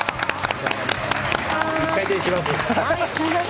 １回転します。